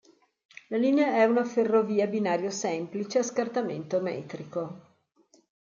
La linea è una ferrovia a binario semplice a scartamento metrico.